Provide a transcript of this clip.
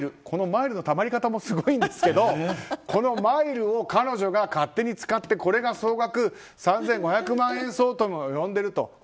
このマイルのたまり方もすごいんですけどこのマイルを彼女が勝手に使ってこれが総額３５００万円相当に及んでいると。